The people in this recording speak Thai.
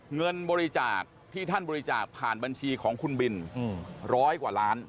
เงินบริจาคที่ท่านบริจาคผ่านบัญชีของคุณบินร้อยกว่าล้าน